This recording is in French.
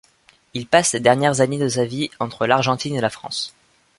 Il passe les dernières années de sa vie, entre l’Argentine et la France.